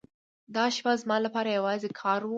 دا شپه زما لپاره یوازې کار و.